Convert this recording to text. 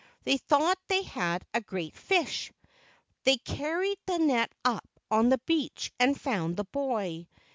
They thought they had a great fish. They carried the net up on the beach and found the boy.